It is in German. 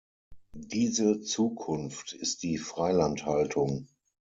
Diese Zukunft ist die Freilandhaltung.